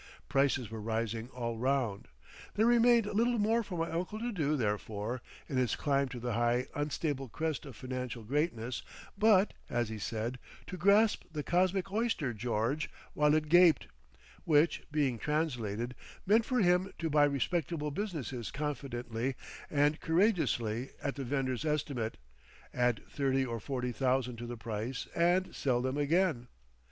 Prices were rising all round. There remained little more for my uncle to do therefore, in his climb to the high unstable crest of Financial Greatness but, as he said, to "grasp the cosmic oyster, George, while it gaped," which, being translated, meant for him to buy respectable businesses confidently and courageously at the vendor's estimate, add thirty or forty thousand to the price and sell them again.